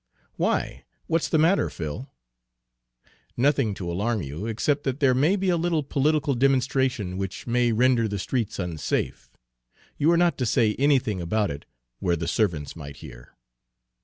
"Why, what's the matter, Phil?" "Nothing to alarm you, except that there may be a little political demonstration which may render the streets unsafe. You are not to say anything about it where the servants might hear."